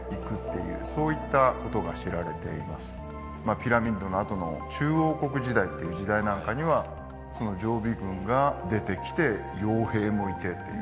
ピラミッドのあとの中王国時代っていう時代なんかにはその常備軍が出てきて傭兵もいてってそういう形になっていきます。